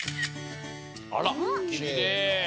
あらきれい！